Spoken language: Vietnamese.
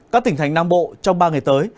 các tỉnh thành nam bộ trong ba ngày tới